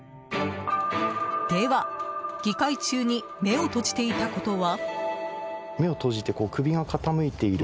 では、議会中に目を閉じていたことは？